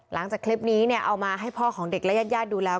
หลังจากคลิปนี้เนี่ยเอามาให้พ่อของเด็กและญาติญาติดูแล้ว